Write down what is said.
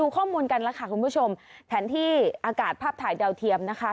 ข้อมูลกันแล้วค่ะคุณผู้ชมแผนที่อากาศภาพถ่ายดาวเทียมนะคะ